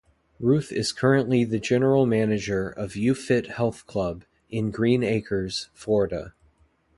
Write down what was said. Ruth is currently the General Manager of YouFit Health Club in Greenacres, Florida.